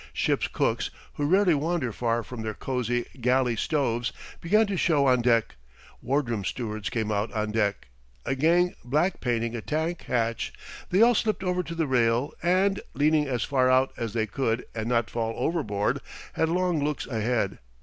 Ship's cooks, who rarely wander far from their cosey galley stoves, began to show on deck; ward room stewards came out on deck; a gang black painting a tank hatch they all slipped over to the rail and, leaning as far out as they could and not fall overboard, had long looks ahead.